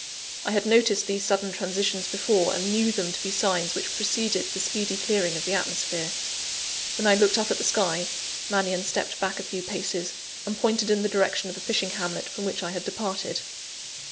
I had noticed these sudden transitions before, and knew them to be the signs which preceded the speedy clearing of the atmosphere. When I looked up at the sky, Mannion stepped back a few paces, and pointed in the direction of the fishing hamlet from which I had departed.